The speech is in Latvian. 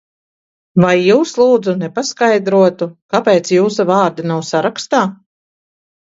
Vai jūs, lūdzu, nepaskaidrotu, kāpēc jūsu vārda nav sarakstā?